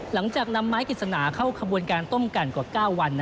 หลังจากนำไม้กฤษณาเข้าขบวนการต้มกันกว่า๙วัน